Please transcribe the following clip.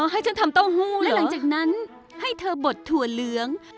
ให้ฉันทำเต้าหู้และหลังจากนั้นให้เธอบดถั่วเหลือง